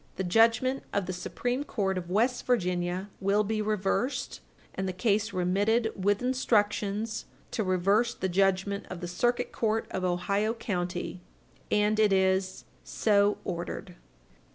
The judgment of the Supreme Court of West Virginia will be reversed, and the case remitted with instructions to reverse the judgment of the Circuit Court of Ohio county, and it is So ordered.